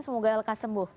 semoga lekas sembuh